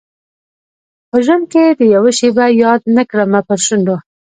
په ژوند کي دي یوه شېبه یاد نه کړمه پر شونډو